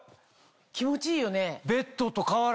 気持ちいいよね？